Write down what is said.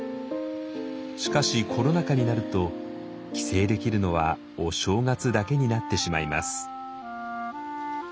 しかしコロナ禍になると帰省できるのはお正月だけになってしまいます。